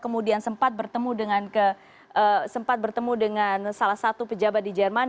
kemudian sempat bertemu dengan salah satu pejabat di jerman